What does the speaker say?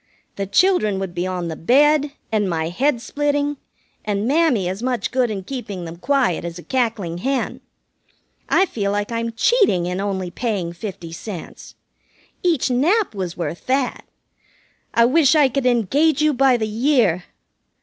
The children would be on the bed, and my head splitting, and Mammy as much good in keeping them quiet as a cackling hen. I feel like I'm cheating in only paying fifty cents. Each nap was worth that. I wish I could engage you by the year!"